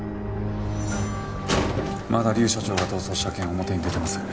まだ劉社長が逃走した件は表に出てません。